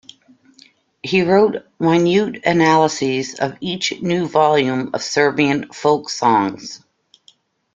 He wrote minute analyses of each new volume of Serbian folk songs.